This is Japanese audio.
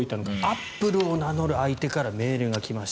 アップルを名乗る相手からメールが来ました。